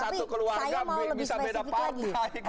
tapi saya mau lebih spesifik lagi